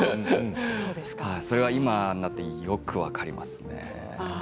それは今になってよく分かりますね。